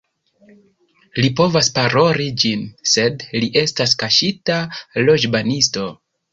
Li povas paroli ĝin, sed li estas kaŝita loĵbanisto